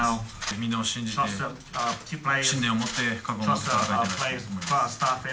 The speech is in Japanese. みんなを信じて、信念を持って、覚悟を持って戦いたいと思います。